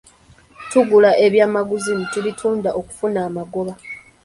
Tugula ebyamaguzi ne tubitunda okufuna amagoba.